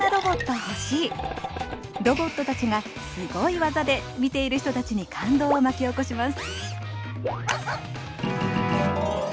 ロボットたちが「すごい！技」で見ている人たちに感動を巻き起こします。